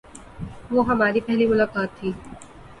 وہ ہماری پہلی ملاقات تھی۔